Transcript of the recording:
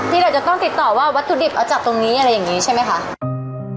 เราจะต้องติดต่อว่าวัตถุดิบเอาจากตรงนี้อะไรอย่างนี้ใช่ไหมคะ